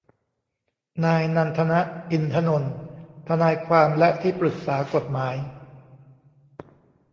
นายนันทน อินทนนท์ ทนายความและที่ปรึกษากฏหมาย